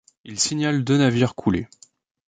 Il signale deux navires coulés.